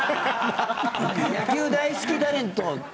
「野球大好きタレント」。